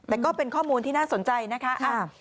แต่ก็เป็นข้อมูลที่น่าสนใจนะคะ